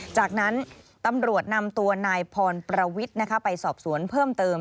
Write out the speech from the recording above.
จากนั้นตำรวจนำตัวนายพรประวิทย์ไปสอบสวนเพิ่มเติม